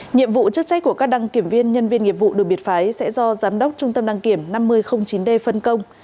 nhiệm vụ chức trách của các đăng kiểm viên nhân viên nghiệp vụ được biệt phái sẽ do giám đốc trung tâm đăng kiểm năm mươi chín d phân công